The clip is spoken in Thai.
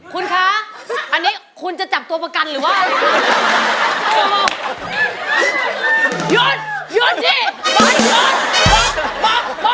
คุณคะอันนี้คุณจะจับตัวประกันหรือว่าอะไรคะ